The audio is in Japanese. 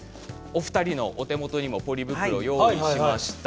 お二人のお手元にもポリ袋を用意しました。